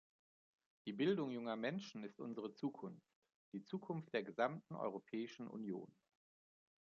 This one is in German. Die Bildung junger Menschen ist unsere Zukunft, die Zukunft der gesamten Europäischen Union.